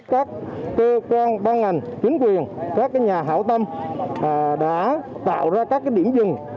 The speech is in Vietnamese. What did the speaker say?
các cơ quan ban ngành chính quyền các nhà hảo tâm đã tạo ra các điểm dừng